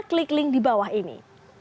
klik link di bawah ini